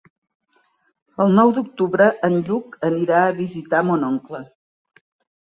El nou d'octubre en Lluc anirà a visitar mon oncle.